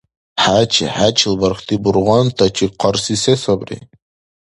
ХӀечи, хӀечил бархти бургъантачи хъарси се сабри?